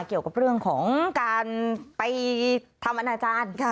เกี่ยวกับเรื่องของการไปทำอนาจารย์